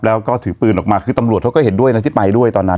แล้วก็ถือปืนออกมาคือตำรวจเขาก็เห็นด้วยนะที่ไปด้วยตอนนั้น